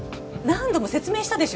何度も説明したでしょ。